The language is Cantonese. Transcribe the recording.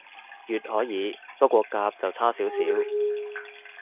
乙可以，不過甲就差少少